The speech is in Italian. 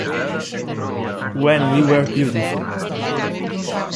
When We Were Beautiful